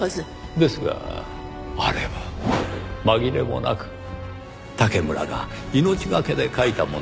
ですがあれは紛れもなく竹村が命懸けで書いたものでした。